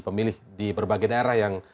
pemilih di berbagai daerah yang